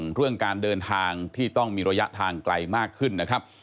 เรื่องการเดินทางที่ต้องมีระยะทางไกลมากขึ้นนะครับ